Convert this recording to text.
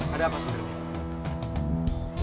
ada apa sebenarnya